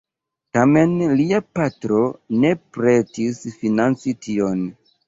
Tamen lia patro ne pretis financi tion.